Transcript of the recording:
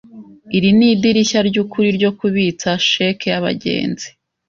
Iri ni idirishya ryukuri ryo kubitsa cheque yabagenzi?